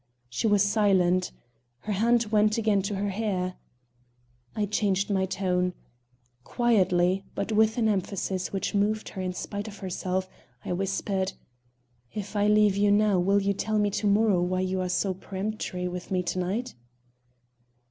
She was silent. Her hand went again to her hair. I changed my tone. Quietly, but with an emphasis which moved her in spite of herself, I whispered: "If I leave you now will you tell me to morrow why you are so peremptory with me to night?"